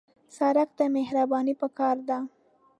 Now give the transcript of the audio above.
سړک ته مهرباني پکار ده.